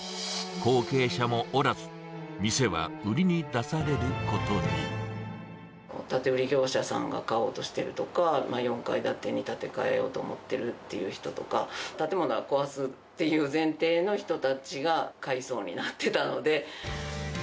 後継者もおらず、建売業者さんが買おうとしてるとか、４階建てに建て替えようと思ってるという人とか、建物は壊すっていう前提の人たちが買いそうになってたので。